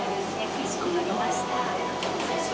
かしこまりました。